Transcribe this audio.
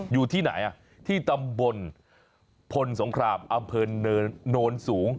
อยู่ที่ไหนที่ตำบลพลสงครามอำเภอโนนสูง